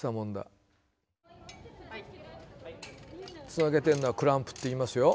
つなげてるのはクランプっていいますよ。